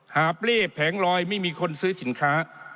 หาบเล่แผงลอยไม่มีคนซื้อสินค้า